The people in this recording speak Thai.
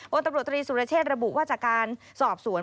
ตำรวจตรีสุรเชษระบุว่าจากการสอบสวน